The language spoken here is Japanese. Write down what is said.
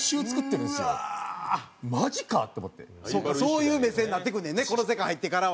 そういう目線になってくんねんねこの世界入ってからは。